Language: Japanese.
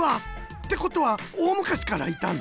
ってことはおおむかしからいたの？